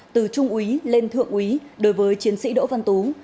từ trung úy lên thượng úy đối với chiến sĩ đỗ văn tú